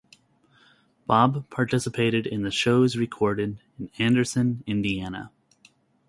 Bob participated in the shows recorded in Anderson, Indiana.